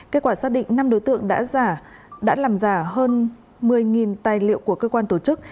kết quả xác định năm đối tượng đã làm giả hơn một mươi tài liệu của cơ quan tổ chức